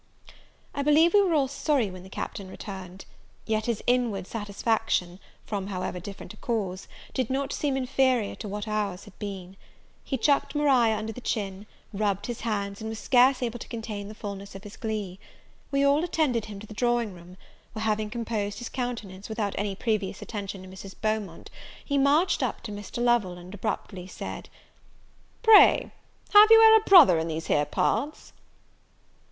I believe we were all sorry when the Captain returned; yet his inward satisfaction, from however different a cause, did not seem inferior to what our's had been. He chucked Maria under the chin, rubbed his hands, and was scarce able to contain the fullness of his glee. We all attended him to the drawing room; where, having composed his countenance, without any previous attention to Mrs. Beaumont, he marched up to Mr. Lovel, and abruptly said, "Pray, have you e'er a brother in these here parts?"